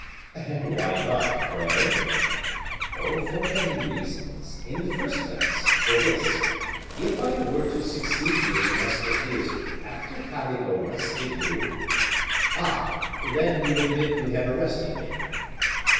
"And why not, pray?" "Oh, for many reasons in the first place, for this: if I were to succeed you in the musketeers after having arrested you " "Ah! then you admit you have arrested me?"